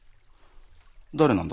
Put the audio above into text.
誰なんだ？